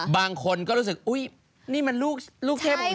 บางคนก็รู้สึกอุ๊ยนี่มันลูกเทพของเขา